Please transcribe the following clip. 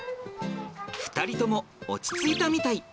２人とも落ち着いたみたい。